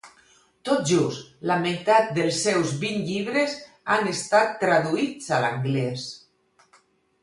Tot just la meitat dels seus vint llibres han estat traduïts a l'anglès.